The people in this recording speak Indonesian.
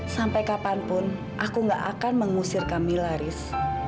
sampai kapanpun aku gak akan mengusir kamila riz